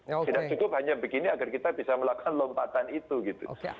tidak cukup hanya begini agar kita bisa melakukan lompatan itu gitu